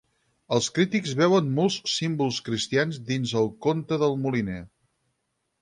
Els crítics veuen molts símbols cristians dins El conte del moliner.